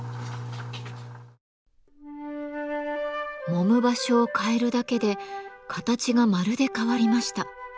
揉む場所を変えるだけで形がまるで変わりました。